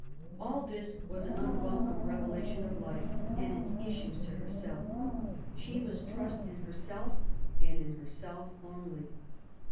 All this was an unwelcome revelation of life and its issues to herself. She must trust in herself and in herself only.